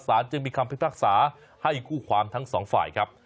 จึงมีคำพิพากษาให้คู่ความทั้งสองฝ่ายครับ